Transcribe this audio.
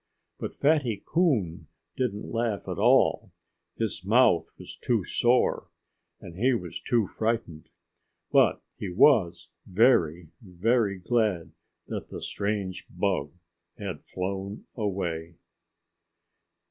But Fatty Coon didn't laugh at all. His mouth was too sore; and he was too frightened. But he was very, very glad that the strange bug had flown away.